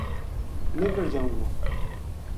نِکڑ جائوں گو